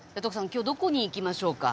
今日どこに行きましょうか？